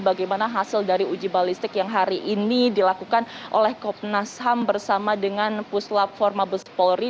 bagaimana hasil dari uji balestik yang hari ini dilakukan oleh komnas ham bersama dengan puslap empat mabes polri